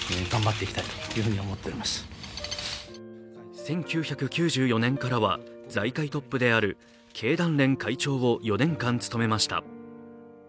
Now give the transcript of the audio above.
１９９４年からは財界トップである経団連会長を４年間務めました。